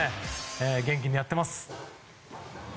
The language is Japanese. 元気にやってます。